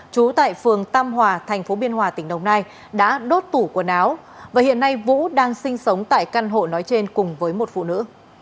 trú tại phường tam hòa thành phố biên hòa tỉnh đồng nai đã đốt tủ quần áo và hiện nay vũ đang sinh sống tại căn hộ nói trên cùng với một phụ nữ